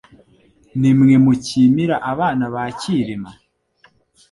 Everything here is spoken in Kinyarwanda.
Ni mwe mucyimira Abana ba Cyilima,